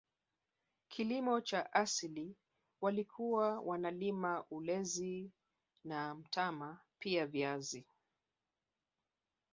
Kilimo cha asili walikuwa wanalima ulezi na mtama pia viazi